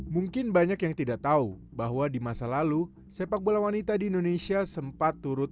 mungkin banyak yang tidak tahu bahwa di masa lalu sepak bola wanita di indonesia sempat turut